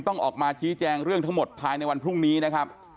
ต้องออกมาชี้แจงเรื่องทั้งหมดภายในวันพรุ่งนี้นะครับ